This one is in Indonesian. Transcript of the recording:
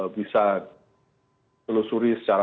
bisa telusuri secara